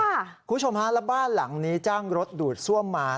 คุณผู้ชมฮะแล้วบ้านหลังนี้จ้างรถดูดซ่วมมา